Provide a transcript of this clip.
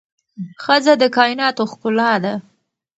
ښځه د کائناتو ښکلا ده